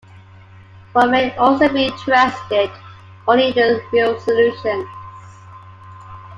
One may also be interested only in the real solutions.